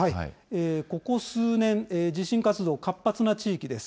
ここ数年、地震活動、活発な地域です。